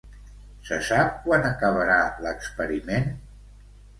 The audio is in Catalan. Se sap quan acabarà l'experiment?